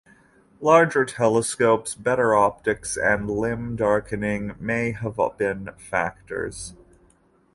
Larger telescopes, better optics, and limb darkening may have been factors.